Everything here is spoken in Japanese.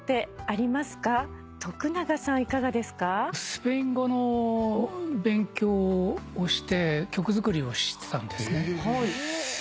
スペイン語の勉強をして曲作りをしてたんですね。